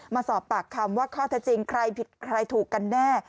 มาสอบปากคำว่าข้อเท็จจริงใครผิดใครถูกกันแน่